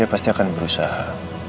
saya pasti akan berusaha